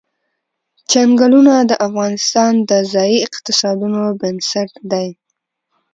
چنګلونه د افغانستان د ځایي اقتصادونو بنسټ دی.